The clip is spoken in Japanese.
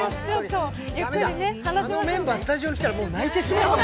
あのメンバー、スタジオに来たらもう泣いてしまう。